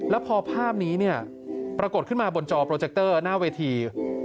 แล้วพอภาพนี้เนี่ยปรากฏขึ้นมาบนจอโปรเจคเตอร์หน้าเวที